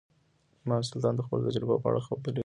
ام سلطان د خپلو تجربو په اړه خبرې کړې.